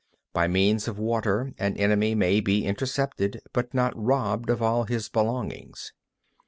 14. By means of water, an enemy may be intercepted, but not robbed of all his belongings.